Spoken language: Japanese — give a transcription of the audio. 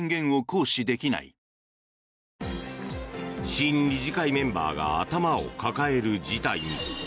新理事会メンバーが頭を抱える事態に。